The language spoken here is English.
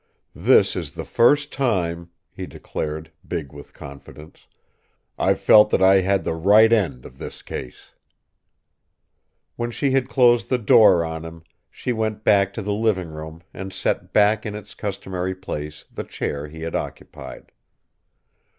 "This is the first time," he declared, big with confidence, "I've felt that I had the right end of this case." When she had closed the door on him, she went back to the living room and set back in its customary place the chair he had occupied.